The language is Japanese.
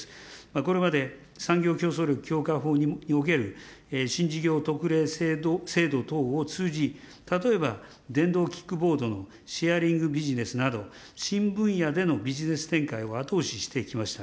これまで産業競争力強化法における新事業特例制度等を通じ、例えば、電動キックボードのシェアリングビジネスなど、新分野でのビジネス展開を後押ししてきました。